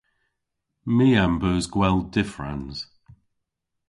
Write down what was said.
My a'm beus gwel dyffrans.